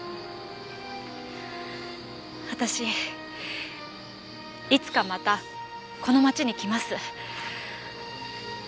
私いつかまたこの街に来ます。